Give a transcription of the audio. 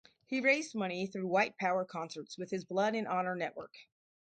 He raised money through white power concerts with his Blood and Honour network.